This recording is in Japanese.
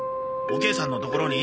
おケイさんのところに？